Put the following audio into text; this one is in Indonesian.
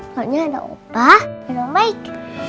soalnya ada opa dan om baik